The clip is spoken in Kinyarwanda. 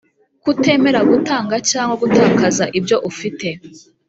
kutemera gutanga cyangwa gutakaza ibyo ufite